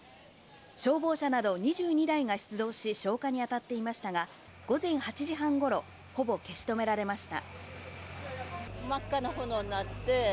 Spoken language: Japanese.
消防車など２２台が出動し、消火にあたっていましたが、午前８時半頃、ほぼ消し止められました。